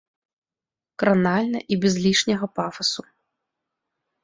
Кранальна і без лішняга пафасу.